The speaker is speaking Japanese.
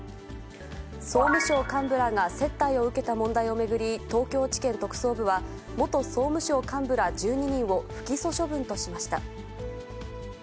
総務省幹部らが接待を受けた問題を巡り、東京地検特捜部は、元総務省幹部ら１２人を不起訴処分としました。